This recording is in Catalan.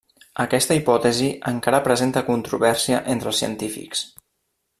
Aquesta hipòtesi encara presenta controvèrsia entre els científics.